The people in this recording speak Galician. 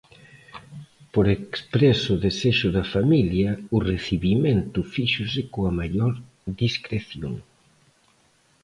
Por expreso desexo da familia, o recibimento fíxose coa maior discreción.